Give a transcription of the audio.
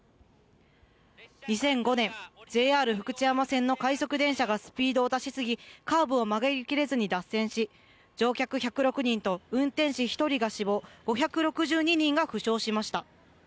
２００５年ＪＲ福知山線の快速電車がスピードを出し過ぎ、カーブを曲がりきれずに脱線し、乗客１０６人と運転士１人が死亡、５６２人が負傷しました。